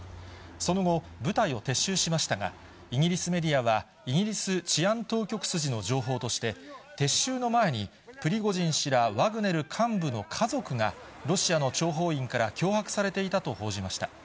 その後、部隊を撤収しましたが、イギリスメディアは、イギリス治安当局筋の情報として、撤収の前に、プリゴジン氏らワグネル幹部の家族が、ロシアの諜報員から脅迫されていたと報じました。